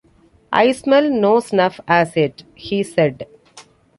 “I smell no snuff as yet,” he said.